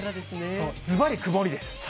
そう、ずばり曇りです。